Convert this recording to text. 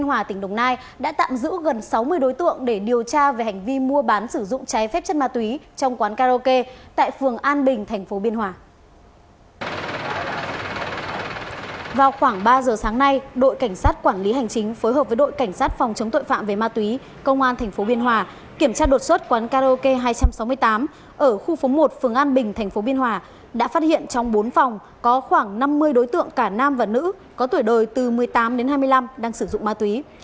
ba h sáng nay đội cảnh sát quản lý hành chính phối hợp với đội cảnh sát phòng chống tội phạm về ma túy công an tp biên hòa kiểm tra đột xuất quán karaoke hai trăm sáu mươi tám ở khu phố một phường an bình tp biên hòa đã phát hiện trong bốn phòng có khoảng năm mươi đối tượng cả nam và nữ có tuổi đời từ một mươi tám đến hai mươi năm đang sử dụng ma túy